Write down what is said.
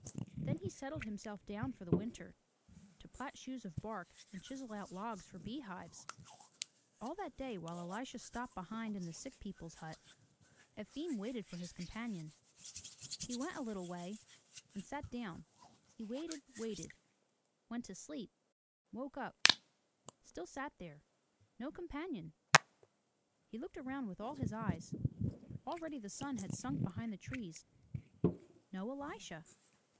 Then he settled himself down for the winter to plat shoes of bark and chisel out logs for bee hives. All that day while Elisha stopped behind in the sick people's hut, Efim waited for his companion. He went a little way and sat down. He waited, waited, — went to sleep, woke up, — still sat there, — no companion! He looked around with all his eyes. Already the sun had sunk behind the trees. No Elisha!